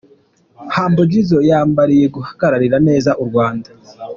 Humble Jizzo yambariye guhagararira neza u Rwanda.